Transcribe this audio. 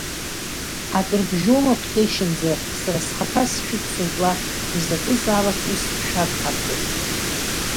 Акрыбжьоума Қәҭешьынӡа, сара схаҭа сшәыццоит уахь, изакәызаалак уск шәагҳархом.